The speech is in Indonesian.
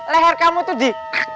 leher kamu tuh di